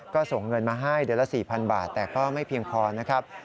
ก็ส่งเงินมาให้เดือนละ๔๐๐บาทแต่ก็ไม่เพียงพอนะครับ